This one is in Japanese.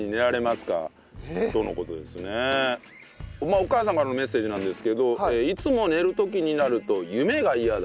お母さんからのメッセージなんですけどいつも寝る時になると夢が嫌だ